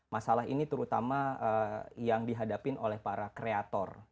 masalah ini terutama yang dihadapin oleh para kreator